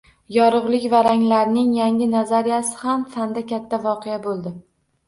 Yorug`lik va ranglarning yangi nazariyasi ham fanda katta voqea bo`ldi